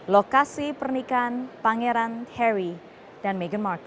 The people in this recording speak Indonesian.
lokasi pernikahan pangeran harry dan meghan mark